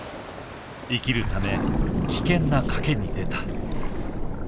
生きるため危険な賭けに出た。